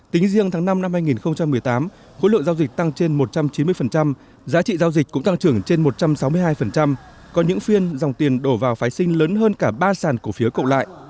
tính riêng tháng năm năm hai nghìn một mươi tám khối lượng giao dịch tăng trên một trăm chín mươi giá trị giao dịch cũng tăng trưởng trên một trăm sáu mươi hai có những phiên dòng tiền đổ vào phái sinh lớn hơn cả ba sản cổ phiếu cộng lại